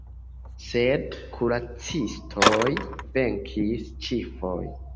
Sed kuracistoj venkis ĉifoje.